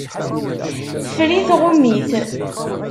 Ffer-it, ɣum-it.